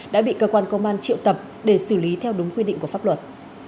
đã bị cơ quan công an triệu tập để xử lý theo đúng quy định của pháp luật